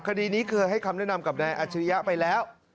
คดีนี้เคยให้คำแนะนำกับนายอัจฉริยะไปแล้ว